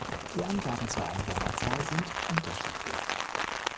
Die Angaben zur Einwohnerzahl sind unterschiedlich.